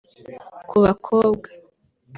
Ku bakobwa